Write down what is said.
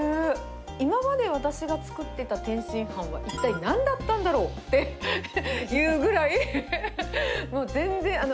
今まで私が作っていた天津飯は一体なんだったんだろうっていうぐ